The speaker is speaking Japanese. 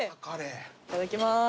いただきます。